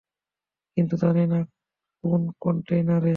কিন্তু জানি না কোন কন্টেইনারে।